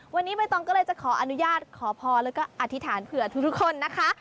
วันนี้ใบตองก็เลยจะขออนุญาตขอพรแล้วก็อธิษฐานเผื่อทุกคนนะคะ